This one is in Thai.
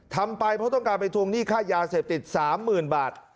ทำไปเพราะต้องการไปทวงหนี้ค่ายาเศษติจะสามหมื่นบาท